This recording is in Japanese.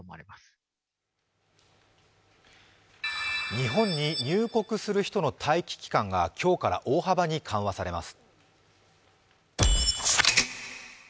日本に入国する人の待機期間が今日から大幅に緩和されます。